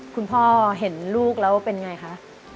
คุณพ่อเห็นลูกแล้วเป็นไงคะ